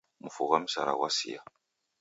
Mfu ghwa msara ghwasia